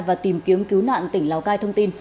và tìm kiếm cứu nạn tỉnh lào cai thông tin